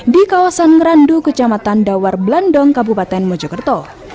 di kawasan ngerandu kecamatan dawar blandong kabupaten mojokerto